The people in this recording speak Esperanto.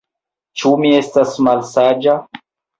Ĉu mi estas malsaĝa?